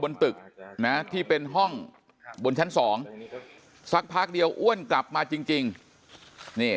ตึกนะที่เป็นห้องบนชั้นสองสักพักเดียวอ้วนกลับมาจริงนี่